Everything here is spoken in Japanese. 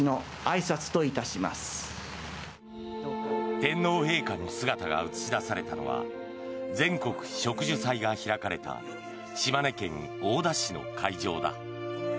天皇陛下の姿が映し出されたのは全国植樹祭が開かれた島根県大田市の会場だ。